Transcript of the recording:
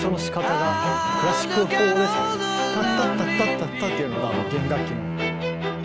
タタタタタタっていうのが弦楽器の。